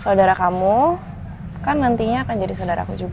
saudara kamu kan nantinya akan jadi saudara aku juga